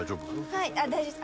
はい大丈夫です。